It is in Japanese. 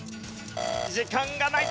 時間がない！